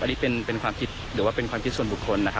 อันนี้เป็นความคิดหรือว่าเป็นความคิดส่วนบุคคลนะครับ